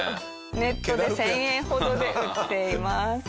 ネットで１０００円ほどで売っています。